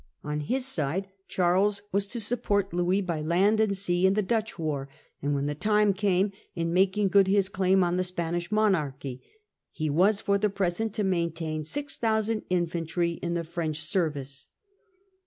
On his side Charles was to support Louis by land and sea in the Dutch war, and, when the time came, in making good his claim on the Spanish monarchy ; he was for the present to maintain 6,000 infantry in the French service.